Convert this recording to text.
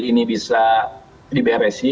ini bisa diberesi